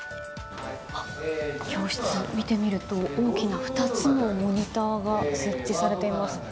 教室、見てみると大きな２つのモニターが設置されています。